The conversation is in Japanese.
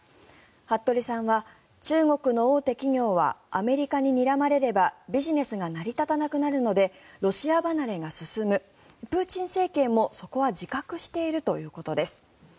服部さんは中国の大手企業はアメリカににらまれればビジネスが成り立たなくなるのでロシア離れが進むプーチン政権もそこは自覚しているということです。